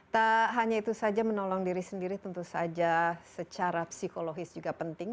tak hanya itu saja menolong diri sendiri tentu saja secara psikologis juga penting